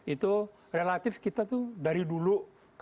itu relatif kita tuh dari dulu